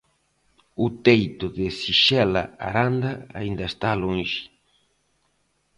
O teito de Xisela Aranda aínda está lonxe.